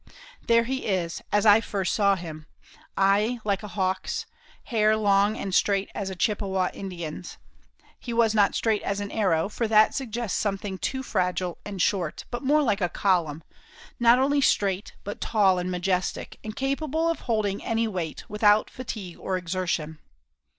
There he is, as I first saw him! Eye like a hawk's. Hair long and straight as a Chippewa Indian's. He was not straight as an arrow, for that suggests something too fragile and short, but more like a column not only straight, but tall and majestic, and capable of holding any weight, and without fatigue or exertion.